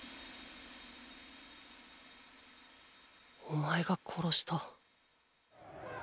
お前が殺した。